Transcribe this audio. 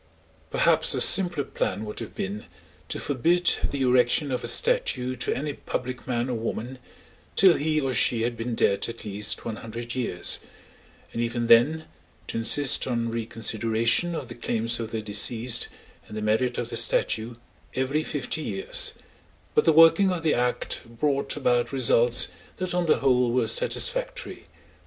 Perhaps a simpler plan would have been to forbid the erection of a statue to any public man or woman till he or she had been dead at least one hundred years, and even then to insist on reconsideration of the claims of the deceased and the merit of the statue every fifty years—but the working of the Act brought about results that on the whole were satisfactory.